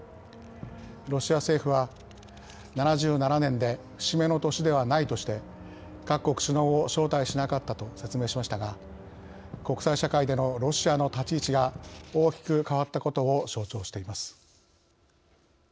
ロシア政府は７７年で節目の年ではないとして各国首脳を招待しなかったと説明しましたが国際社会でのロシアの立ち位置が大きく変わったことを象徴しています。